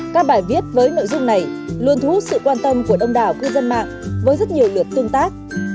các bài viết với nội dung này luôn thu hút sự quan tâm của đông đảo cư dân mạng với rất nhiều lượt tương tác